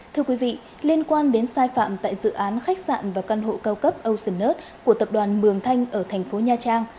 thưa quý vị liên quan đến sai phạm tại dự án khách sạn và căn hộ cao cấp ocean earth của tập đoàn mường thanh ở thành phố nha trang